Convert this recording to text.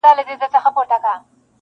ته له هره دِلستانه دِلستانه ښایسته یې,